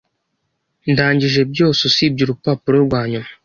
Ndangije byose usibye urupapuro rwanyuma.